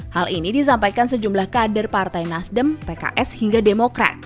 hal ini disampaikan sejumlah kader partai nasdem pks hingga demokrat